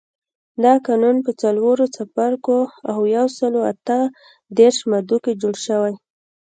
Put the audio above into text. دا قانون په څلورو څپرکو او یو سلو اته دیرش مادو کې جوړ شوی.